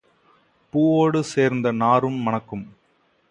பூவோடு சேர்ந்த நாரும் மணக்கும்.